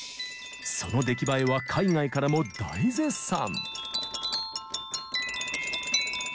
その出来栄えは海外からも大絶賛。